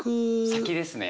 先ですね